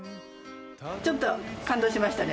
ちょっと感動しましたね。